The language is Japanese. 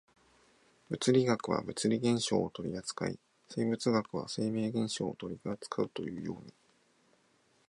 物理学は物理現象を取扱い、生物学は生命現象を取扱うというように、